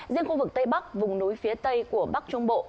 riêng khu vực tây bắc vùng núi phía tây của bắc trung bộ